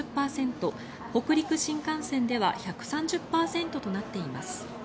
北陸新幹線では１３０％となっています。